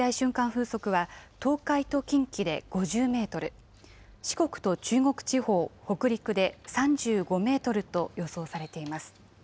風速は東海と近畿で５０メートル、四国と中国地方、北陸で３５メートルと予想されています。